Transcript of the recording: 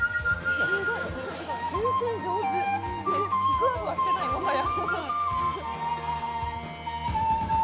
ふわふわしてない、もはや。